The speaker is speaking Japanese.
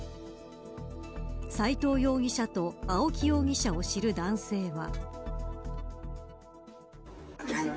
斎藤容疑者と青木容疑者を知る男性は。